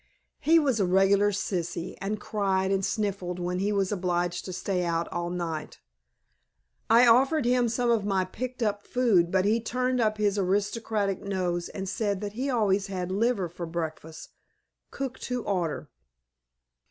He was a regular "sissy" and cried and sniffled when he was obliged to stay out all night. I offered him some of my picked up food but he turned up his aristocratic nose and said that he always had liver for breakfast, cooked to order.